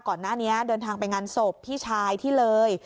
ก่อนหน้านี้เดินทางไปงานศพพี่ชายที่เลย